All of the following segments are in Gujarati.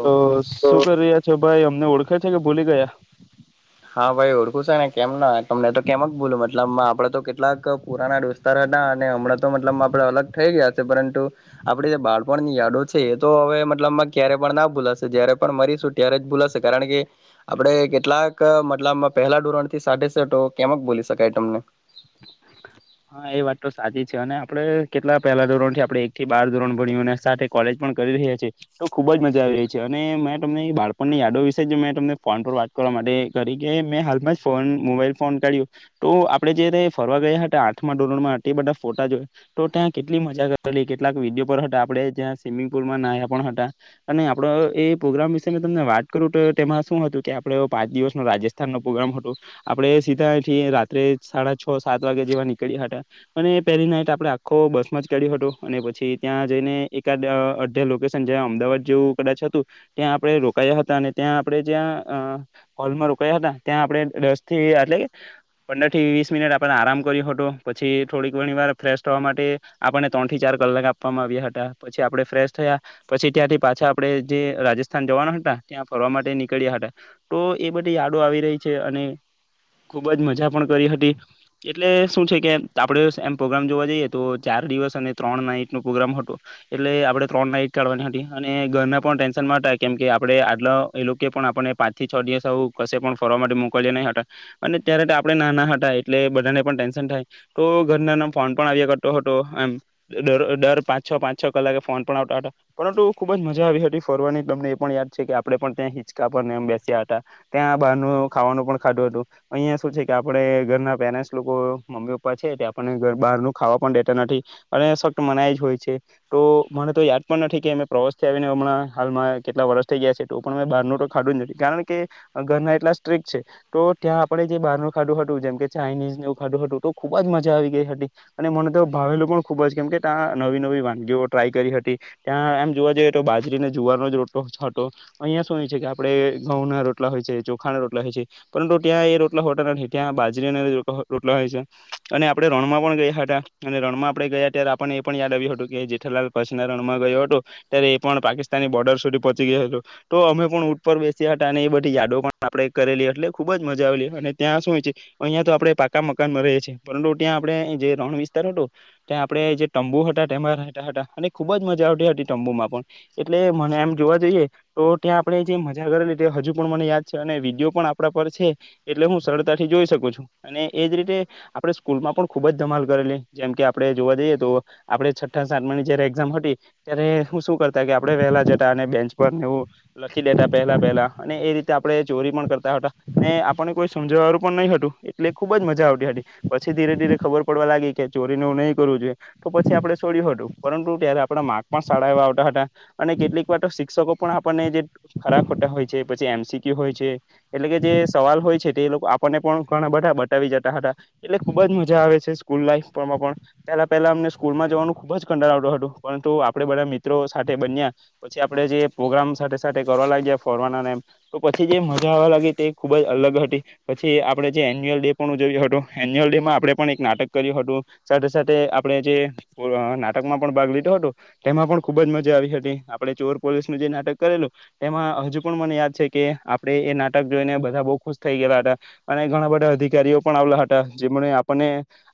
તો શું કરી રહ્યા છો ભાઈ અમને ઓળખે છે કે ભૂલી ગયા? હા, ભાઈ ઓળખું છે ને કેમ ના તમને તો કેમ જ બોલું મતલબ આપડે તો કેટલાક પુરાના દોસ્તાર ના ને હમણાં તો મતલબ આપડે અલગ થઈ ગયા છે પરંતુ આપડે જે બાળપણ ની યાદો છે એ તો હવે મતલબમાં ક્યારે પણ ના ભૂલાશે જયારે પણ મરીશું ત્યારે જ ભૂલાશે કારણ કે આપડે કેટલાક ક મતલબમાં પહેલા ધોરણ થી સાથેજ છે તો કેમઅક ભૂલી શકાય તમને. હા એ વાત તો સાચી છે અને આપડે કેટલા પહેલા ધોરણ થી આપડે એક થી બાર ધોરણ ભણ્યું સાથે કોલેજ પણ પણ કરી રહ્યા છે. તો ખુબ જ મજા આવી રહી છે અને મેં તમને બાળપણ ની યાદો વિશે મેં તમને ફોન વાત કર વા માટે કરી કે મેં હાલમાં ફોન મોબાઈલ ફોન કાઢ્યું તો આપડે જ્યારે ફરવા ગયા હતા આઠમાં ધોરણમાં એ બધા ફોટા જો તો ત્યાં કેટલી મજા કરેલી કેટલાક વિડીયો પર હતા આપડે જ્યાં સ્વિમિંગ પુલ પુલમાં નાયા પણ હતા અને આપડે એ પોગ્રામ વિશે વાત કરું તેમાં શું હતું કે આપડે ઓ પા પાંચ દિવસ નો રાજસ્થાન નો પ્રોગ્રામ હતો આપડે સીધાથી રાત્રે સાડા છ સાત વાગે જેવા ની કડિયા હતા અને પેલી નાઈટ આપડણે આખો બસ માં જ કર્યું હતું અને પછી ત્યાં જઈને એકાદ અહ અઢ લોકેશન જ્યાં અમદાવાદ જેવું કદાચ હતું ત્યાં આપડે રોકાયા હતા અને ત્યાં આપડે જ્યાં અહ હોલમાં રોકાયા હતા ત્યાં આપડે દસ થી આટલે કે પંદર થી વીસ મિનિટ આપડે આરામ કર્યો હતો. પછી થોડીક ઘણી વાર ફ્રેશ થવા માટે આપણને ત્રણ થી ચાર કલાક આપવામાં આવ્યા હતા પછી આપડે ફ્રેશ થયા પછી ત્યાંથી પાછા આપડડે જે રાજસ્થાન જવાના હતા ત્યાં ફરવા માટે નીકળ્યા હતા તો એ બધી યાદો આવી રહી છે અને ખુબ જ મજા પણ કરી હતી એટલે શું છે કે આપડે એમ પ્રોગ્રામ જોવા જઈએ તો ચાર દિવસ અને ત્રણ નાઈટ નો પ્રોગ્રામ હતો એટલે આપડે ત્ર ન નાઈટ કાઢવાની હતી અને ઘરના પણ ટેન્શન માં હતા કેમ કે આપડે આટલા એ લોકો પણ આપણને પાંચ થી છ દિવસ થવો કશે પણ ફરવા માટે મોકલ્યા નહી હતા અને ત્યારે આપડે ના ના હતા એટલે બધાને પણ ટેન્શન થાય તો ઘરનામ ફોન પણ આવ્યા કરતો હતો એમ દર પાંચ છ પાંચ છ કલાકે ફોન પણ આવતો તાતા પરંતુ ખુબ જ મજા આવી હતી ફરવાની તમને એ પણ યાદ છે કે આપને પણ ત્યાં હિચકા પર ને એમ બેસ્યા હતા ત્યાં બહારનું ખાવાનું પણ ખાધું હતું અહિયાં શું છે કે આપડે ઘરના પેરેન્ટ્સ લોકો મમ્મી પપ્પા પછી આપણને બહાર નુ ખાવા પણ દેતા નથી અને સક્ત મનાય જ હોય છે તો મને તો યાદ પણ નથી કે અમે પ્રવાસથી આવીને હમણા હાલમાં કેટલા વર્ષ થઈ ગયા છે એ તો પણ મે બહારનું તો ખાડું જ નથી કારણ કે ઘરના એટલા સ્ટ્રીક છે તો ત્યાં આપણે જે બહારનું ખાધુ હતું જેમ કે ચાાઈનીઝ ને એવું ખાધુ હતું તો ખૂબ જ મજા આવી ગઈ હતી અને મને તો ભાવેલું પણ ખૂબ જ કેમ કે ત્યાં નવી નવી વાનગીઓ ટ્રાય કરી હતી ત્યાં આમ જોવા જઈએ તો બાજરીને જુવારનો જ રોટલો અહિયાં શું એ છે કે આપડે ઘઉં ના રોટ રોટલા હોય છે ચોખા ના રોટલા હોય છે પરંતુ ત્યાં એ રોટલા હોતા નથી ત્યાં બાજરીના રોટલા હોય છે. અને આપણે રણમાં પણ ગયા હતા અને રણમાં આપણે ગયા ત્યારે આપને એ પણ યાદ આવ્યું હતું કે જેઠલાલ પચનાર રણમાં ગયો હતો ત્યારે એ પણ પાકિસ્તાની બોર્ડર સુધી પહોચી ગયો હતો તો અમે પણ ઊંટ ઉપર બેસ્યા હતા અને બધી યાડો પણ આપડે કરેલી એટલે ખુબ જ મજા આવેલી અને ત્યાં શું હોય છે અહિયા તો આપડે પાકા મકાનમાં રહેએ છીએ. પરંતુ ત્યાં આપણે જે રણ વિસ્તાર હતો ત્યાં આપડે જે તંબુ હતા એમા રહેતા હતા અને ખુબ જ મજા આવતી હતી તંબુમાં પણ એટલે મને એમ જોવા જઈએ તો ત્યાં આપણે જે મજા કરેલી હજુ પણ મને યાદ છે અને વિડીયો પણ આપણા પર છે એટલે હું સરળતાથી જોઈ શકું છું અને એજ રીતે આપડે સ્કૂલ માં પણ ખુબ જ ધમાલ કરેલી જેમ કે આપડે જોવા જઈએ તો આપડે છઠ્ઠા સાતમા ની જયારે એક્ઝામ હતી ત્યારે હું શું કરતા કે આપણે વેલા જતા અને બેંચ પર ને હું લખી દેતા પેહેલા પહેલા અને રીતે આપણે ચોરી પણ કરતા હતા ને આપણને કોઈ સમજવાળનું પણ નહી હતું એટલે ખુબ જ મજા આવતી હતી પછી ધીરે ધીરે ખબર પડવા લાગી કે ચોરીને હું નહીં કરવું જોઈએ તો પછી આપડે છોડ્યું હતું પરંતુ ત્યારે આપડા માર્ક્સ પણ સારા એવા આવતા હતા અને કેટલીક વાર તો શિક્ષકો પણ આપણને જે ખરા ખોટા હોય છે પછી એ સી કિયુ હોયે ચાર છે એટલે કે જે સવાલ હોય છે તે લોકો આપણને પણ ઘણા બધા બતાવી જતા હતા એટલે ખુબ જ મજા આવે છે સ્કૂલ લાઈફમાં પણ પહેલા પેલા અમને સ્કૂલમાં જવાનું ખુબ જ કંટાળો આવતો હતો પણ પરંતુ આપડે બધા મિત્રો સાથે બન્યા પછી આપડે જે પ્રોગ્રામ સાથે કરવા લાગયા ફરવાનામ તો પછી જે મજા આવવા લાગી તે ખુબ જ અલગ હતી પછી આપણે જે એન્યુઅલ ડે પણ ઉજવ્યો હતો એન્યુઅલ ડેમાં આપણેે પણ એક નાટક કર્યું હતું સાથે સાથે આપણે જે નાટકમાં પણ ભાગ લીધો લીધો હતો તેમાં પણ ખુબ જ મજા આવી હતી આપણે ચોર પોલીસનું જે નાટક કરેલું તેમાં હજુ પણ મને યાદ છે. કે આપડે એ નાટક જોઈને બધા બઉ ખુશ થઈ ગએલા હતા અને ઘણા બધા અધિકારીઓ પણ આવલા હતા. હતા. જેમણે આપણને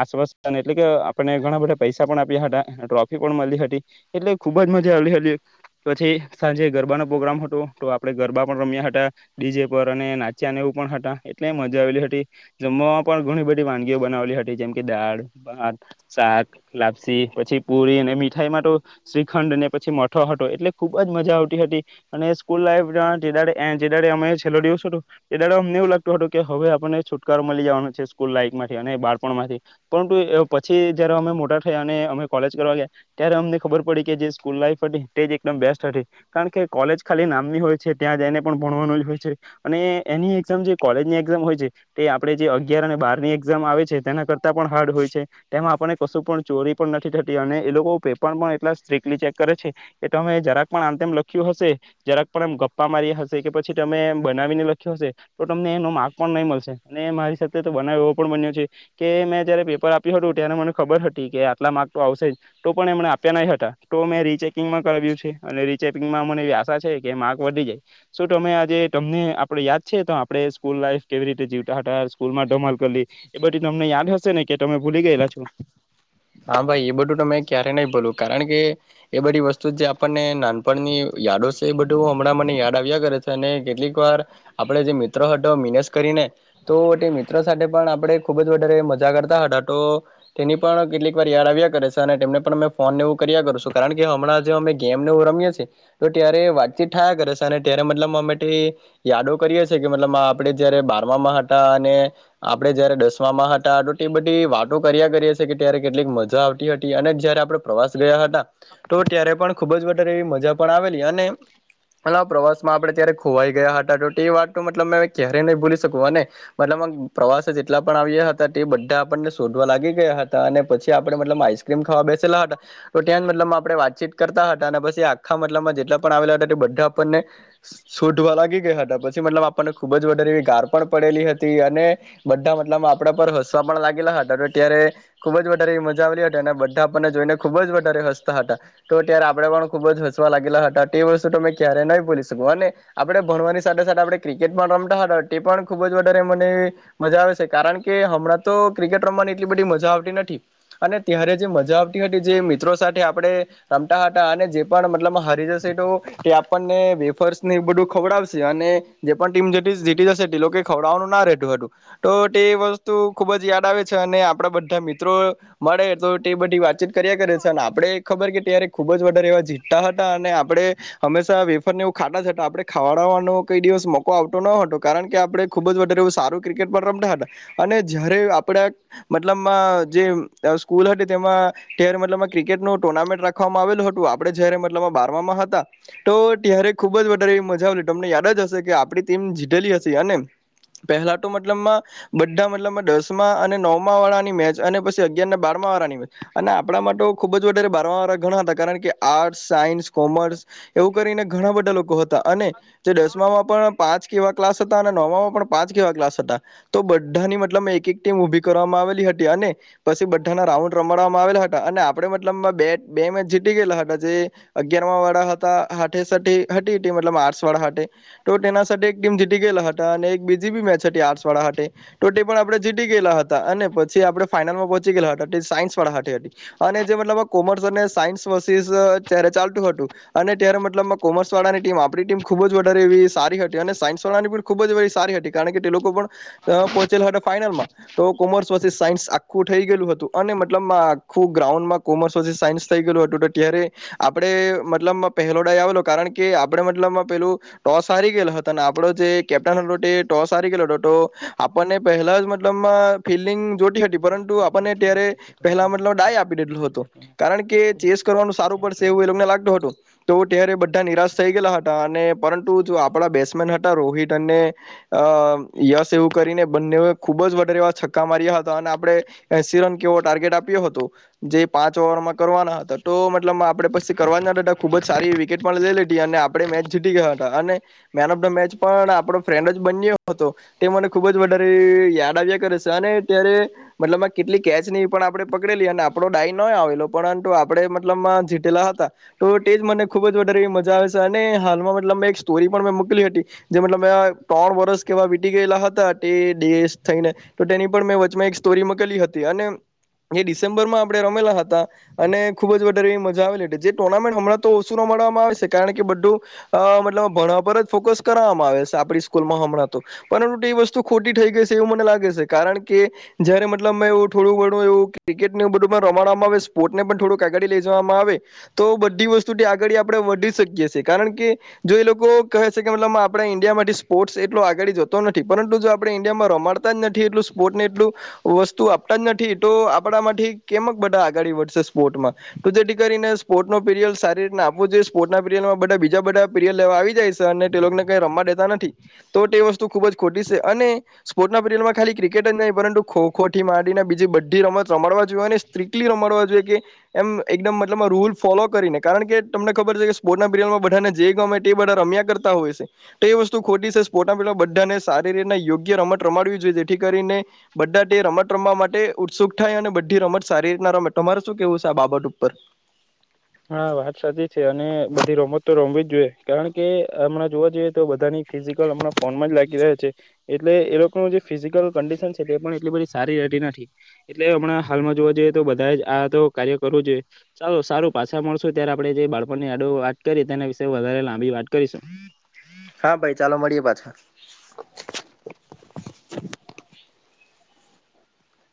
આશ્વાસન એટલે કે આપને ઘણા બધા પૈસા પણ આપ્યા હતા. ટ્રોફી પણ મળી હતી. એટલે ખુબ જ મજા આવેલી હતી. પછી સાંજે ગરબાનો પ્રોગ્રામ હતો. તો આપડે ગરબા પણ રમ્યા હતા ડીજે પર અને નાચ્યા એવું પણ હતા એટલે મજા આવેલી હતી. જમવા પણ ઘણી બધી વાનગીઓ બનાવેલી હતી જેમ કે દાળ, ભાત, શાક, લાપસી પછી પુરી. ને મીઠાઈમા તો શ્રીખંડ ને પછી મઠો હતો એટલે ખુબ જ મજા આવતી હતી અને સ્કૂલ લાઈફ અને જે દાડે એન્ડ જે દાડે અમે છેલું દિવસ હતું. તે દાડે અમને એવું લાગતું હતું કે હવે આપને છુટકારો મળી જવાનો. છે. સ્કૂલ લાઈકમાંથી અને બાળપણમાંથી પરંતુ પછી જયારે અમે મોટા થયા અને અમે કોલેજ કરવા ગયા. ત્યારે અમને ખબર પડી કે જે સ્કૂલ લાાઈફ હતી તે જ એકદમ બેસ્ટ હતી કારણ કે કોલેજ ખાલી નામની હોય છે. ત્યાં એને પણ ભણવાનું હોય છે અને એની એક્ઝામ જે કોલેજની એક્ઝામ હોય છે, તે આપે જે અગ અગિયાર અને બારની એક્ઝામ આવે છે તેના કરતા પણ હાર્ડ હોય છે, તેમાં આપણને કશું પણ ચોરી પણ નથી થતી અને એ લોકો પેપર પણ એટલા સ્ટ્રક્ટલી ચેક કરે છે. કે તમે જરાક પણ આમ તેમ લખ્યું હશે જરાક પણ આમ ગપ ગપ્પા મારી હશે કે પછી તમે બનાવીને લખ્યો હશે તો તમને એનો માર્ગ પણ નહી મળશે અને મારી સાથે સાથે બનાવ એવો પણ બન્યો છે કે મેં જયારે પેપર આપ્યું હતું, ત્યારે મને ખબર હતી કે આટલા માર્ક તો આવશે જ. તો પણ એમણે આપ્યા નહી હતા. તો મેં રીચેકિંગમાં કર્યું છે. અને રીચેકિંગમાં મને એવી આશા છે કે માર્ક વધ વધી જાય. શું તમને આજે તમને આપડે યાદ છે તો આપણે સ્કૂલ લાઈફ કેવી રીતે જીવતા હતા. સ્કૂલમાં ધમાલ કરલી એ બધી તમને યાદ હશે ને કે તમે ભૂલી ગયેલા છો? હા ભાઈ એ બધું તમે ક્યારે નહી ભૂલું કારણ કે એ બધી વસ્તુ જે આપણને નાનપણની યાદો છે એ બધું હમણાં મને યાદ આવ્યા. આવ્યા કરે છે. અને કેટલીક વાર આપણે જે મિત્રો હતો મિનેસ કરીને તો તે મિત્રો સાથે પણ આપણે ખુબ વધારે મજા કરતા હતા, તો તેની પણ કેટલીક કોઈક યાદ આવ્યા કરે છે અને તેમને પણ અમે ફોન ને એવું કર્યા કરું છું, કારણ કે હમણાં જે અમે ગેમ ને એવું રમીયે છે ત્યારે વાતચીત થાયા કરે છે, અને ત્યારે મતલબ અમે યાદો કરીએ કે મતલબ આપે જયારે બાર મા હતા ને આપણે જયારે દસમા હતા તો તે બધી વાતો કર્યા કરીએ છીએ કે ત્યારે કેટલીક મજા આવતી હતી અને જયારે આપડે પ્રવાસ ગયા હતા તો ત્યારે પણ ખુબ જ વધારે એવી મજા પણ આવેલી અને પેલા પ્રવાસ માં આપણે ત્યારે ખોવાઈ ગયા હતા. તો તે વાત મતલબ મે ક્યારે નહી ભૂલી શકું અને મતલબમાં પ્રવાસ જેટલા પણ આવ્યા હતા તે બધા આપણને શોધવા લાગી ગયા હતા. અને પછી આપડે મતલબમાં આઈસક્રીમ ખાવા બેસેલા હતા. તો ત્યાં જ મતલબમાં આપણે વા વાતચીત કરતા હતા અને બસ એ આખા મતલબમાં જેટલા પણ આવેલા હતા એ બધા આપણને શોધવા લાગી ગયા હતા. પછી મતલબમાં આપણને ખુબ જ વધારે એવી ગાર પણ પડેલી હતી. અને બધા મતલબમાં આપડા પર હસવા પણ લાગ થાકેલા હતા તો તૈયારે ખુબ જ વધારે એવી મજા આવેલી હતી અને બધા આપણને જોઈને ખુબ જ વધારે હસતા હતા. તો ત્યારે આપળે પણ ખુબ જ હસવા લાગેલા હતા તે વસ્તુ તમે ક્યારે નહી ભુલી શકો અને આપણે ભણવાની સાથે સાથે આપણે ક્રિકેટ પણ રમતા હતા. તે પણ ખુબ જ વધારે મને મજા આવે છે. કારણ કે, હમણાં તો ક્રિકેટ રમવાની એટલી બધી મજા આવ ત જે મજા આવતી હતી જે મિત્રો સાથે આપણે રમતા હતા. અને જે પડ આપણ ન્ય વેફર્ ન્ય ખવડા યુસે અને એ પન. ખવડવાનું ના રહેતું હતું તો તે વસ્તુ ખુબ જ યાદ આવે છે, અને આપડા બધા મિત્ર. મળે તો તે બધી વાતચીત કર્યા કરે છે અને આપડે ખબર કે ત્યારે ખુબ જ વધારે એવા જીતતા હતા. અને આપડણે હંમેશા વેફર ને એવું ખાટા છેતા આપણે ખાવાડવાનું. કઈ દિવસ મોકો આવતો ન હતો કારણ કે. આપણે ખુબ જ વધારે સારું ક્રિકેટ પર રમતા હતા. અને જયારે આપડા મતલબમાં જે સ્કૂલ હતી તેમાં ત્યારે મતલબ ક્રિકેટ ન ટુર્નામેન્ટ રાખવામાં આવેલ હતું, આપડે જ્યારે મતલબ. બાર તો ત્યારે ખુબ જ વધારેવી મજા આવે તમને યાદ જ હશે કે આપડી ટીમ જીતેલી હશે. અને પહેલા તો મતલબમાં બધા મતલબમાં દસમા અને નવમાં વાળાની મેચ. અને પછી અગિયારને બારમા વાળાની હોય અને આપણા માતો ખુબ જ વધારે બાર વાા ઘણા હતા કારણ કે આર્ટસ સાયન્સ કોમર્સ એવું કરીને ઘણા બધા લોકો હતા. અને જે દસમામાં પણ પાંચ કેવા ક્લાસ હતા અને નોમાં પણ પાંચ કેવા ક્લાસ હતા તો બધાની મતલબ એક એક ટીમ ઉઊભી કરવામાં આવેલી હતી. અને પછી બધાના રાઉન્ડ રમાડવામાં આવેલા હતા અને આપડે મતલબ બે બે મેચ જીતી ગયેલા હતા. જે અગિયાર વાડાા હતા હાથે સાથે હતી ટ મતલબ આર્સ વાળા હાઠ તો તેના એક ટીમ જીતી ગયે. હતા ને એક બીજી બી મેચ હતી આર્ટ્સવાળ હાતે પણ તે પણ આપણે જીતી ગેલા હતા અને પછી આપણે ફાઈનલમાં પોચી ગેલા હતા તે સાયન્સવાળા હાતે હતી અને જે મતલબ કોમર્સ અને સાયન્સ વરર્સીઝ અ ચાલતું હતું અને ત્યારે મતલબમાં કોમર્સ વાળાની ટીમ, આપરી ટીમ ખૂબ જ વધારે એવી સારી હતી અને સાયન્સ વાળાની ખૂબ જ એવી સારી હતી કારણ કે તે લોકો પણ પહોચેલા હતાં ફાઈનલમાં તો કોમર્સ વરર્સીસ સાયન્સ આ ખું થેય ગેલુ હતુ અને મતલબમાં આખુ ગ્રાઉન્ડમાં કોમર્સ વરર્સીસ સાયન્સ થઈ ગેલું હતું તો ત્યારે આપરે મતલબમાં પેહલો ડાય આવેલો કારણ કે આપડે મતલબમાં પેલું ટોસ હારી ગેલા હતાં ને આપડો જે કેપ્ટન હતો તે ટોસ હારી ગેલો હતો તો આપણને પહેલા જ મતલબ ફિલ્ડીંગ જો હતી પરંતુ આપને ત્યારે પહેલાં મતલ ડાય આપી દીધલું હતો કારણ કે ચેસ કરવાનું સારું એવું એ લોકને લાગતું હતું તો ત્યારે બધાં નિરાશ થઈ ગેલાં હતાં અને પરંતુ જો આપડા બેટ્સમેન હતાં રોહિત અને અ યશ એવું કરીને બંનેવે ખૂબ જ વઘારે એવા છક્કા માર્યા હતાં અને આપ આપરે એશી રન કેવો ટાર્ગેટ આપ્યો હતો જે પાંચ ઓવરમાં કરવાનાં હતાં તો મતલબમાં આપડે પ કરવાનાં હતાં તો ખૂબ જ સારી વિકેટ પણ લઈ લીઘી અને આપડે મેચ જીતી ગયાં હતાં અને મેન ઓફ ધ મેચ પણ આપડો ફ્રેન્ડ જ બન્યો હતો તે મને ખૂબ જ વધારે યાદ આવ્યા કરે છે અને ત્યારે મતલબમાં કેટલી કેચ નય પણ આપણે પકડેલી અને આપડો ડાય નય આવેલો પરંતુ આપડે મતલબમાં જીતેલાં હતાં. તો તેજ મને ખૂબ જ વધારે મજા આવે છે અને હાલમાં મતલબ મેં એક સ્ટોરી પણ મે મોકલી હતી જે મતલબ મેઆં ત્રણ વર્ષ કેવા વીતી ગેલા હતા તે દેશ થઈને તો તેની પણ મેં વચમાં એક સ્ટોરી મૂકેલી હતી અને એ ડિસેમ્બરમાં આપણેે રમેલા હતાં અને ખૂબ જ વધારે એવી મજા આવેલી જે ટુર્નામેન્ટ હમણાં તો ઓછું રમ રમારશે કારણ કે બધું અ મતલબ ભણવા પર જ ફોકસ કરાવામાં આવે છે આપરી સ્કૂલમાં હમણાં તો. પરંતુ તે વસ્તુ ખોટી થઈ ગઈ છે એવું મને લાગે છે કારણ કે જયારે મતલબમાં એવું થોડું ઘણું એવું ક્રિકેટ એ બધું પણ રમાડવામાં આવે સ્પોર્ટસને પણ થોડું ક આગાડી લઈ જવામાં આવે તો બધી વસ્તુથી આગળી આપરે વધી શકીએ છે કારણ કે જો એલોકો કહે છે કે મતલબ આપ આપરા ઇન્ડિયામાંથી સ્પોર્ટ્સ એટલો આગળી જતો નથી પરંતુ જો આપણે ઇન્ડિયામાં રમાડતાં જ નથી એટલું સ્પોર્ટને એટલું વસ્તુ આપતાં જ નથી તો આપડા માંથી કેમક બધાં આગાળી વધશે સ્પોર્ટમાં તો જેથી કરીને સ્પોર્ટ્નો પીરિયલ સારી રીતનાં આપવો જોઈએ સ્પોર્ટ્નાં પીરિયલમાં બધાં બીજા બ પીરિયલ લેવા આવી જાય છે અને તે લોકને કઈ રમવાં દેતા નથી તો તે વસ્તુ ખૂબ જ ખોટી છે અને સ્પોર્ટના પીરિયલમાં ખાલી ક્રિકેટ જ નય પરંતુ ખોખોથી માંડીને બીજી બધી રમત રમડવા જોએને સ્ત્રીકલી રમડવા જોઈએ કે એમ એકદમ મતલબમાં રૂલ ફોલો કરીને કારણ કે તમને ખબર છેકે સ્પોર્ટનાં પીરયલમાં બધાને જે ગમે તે બધાં રમ્યાં કરતા હોય છે. તે વસ્તુ ખોટી છે સ્પોર્ટના પીરિયલ બધાંને સારી રીતનાં યોગ્ય રમત રમાડવી જોઈએ જેથી કરીને બધાં તે રમત રમવા માટે ઉત્સુક થાય અને બધી રમત સારી રીતનાં રમે, તમારે શું કેવું છે આ બાબત ઉપર? [inaudible] હા, વાત સાચી છે અને બધી રમત તો રમવી જ જોઈએ કારણ કે હમણાં જોવા જઈએ તો બધાંની ફિઝિકલ અમણાં ફોનમાં જ લાગી રહે છે. એટલે એ લોકનું જે ફિઝિકલ કન્ડીશન છે તે પણ એટલી બધી સારી રેહતી નથી એટલે હમણાં હાલ તેમાં જોવા જઈએ તો બધાયજ આ તો કાર્ય કરવું જોઈએ ચાલો સારું પાસા મળશું ત્યારે આપરે જે બાળપણની યાદો વાત કરી તેના વિશે વધારે લાંબી વાત કરીશું. હા ભાઈ ચાલો મળીએ પાછા.